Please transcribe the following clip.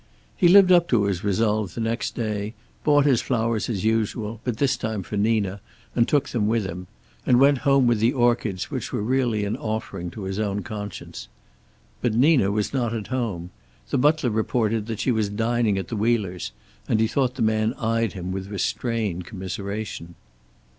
He lived up to his resolve the next day, bought his flowers as usual, but this time for Nina and took them with him. And went home with the orchids which were really an offering to his own conscience. But Nina was not at home. The butler reported that she was dining at the Wheelers', and he thought the man eyed him with restrained commiseration.